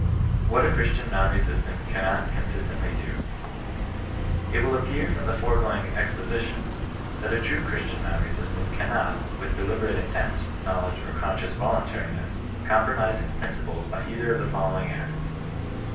WHAT A CHEISTIAN NON RESISTANT CANNOT CON SISTENTLY DO. It will appear from the foregoing exposition, that a true Christian non resistant cannot^ with deliberate in tent, knowledge, or conscious voluntariness, compromit his principles by either of the following acts.